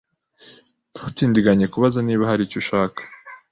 Ntutindiganye kubaza niba hari icyo ushaka.